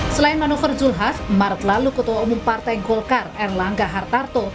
selain manukar zulkifli maret lalu ketua umum partai nkolkar erlangga hartarto